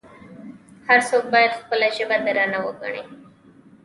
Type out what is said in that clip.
هر څوک باید خپله ژبه درنه وګڼي.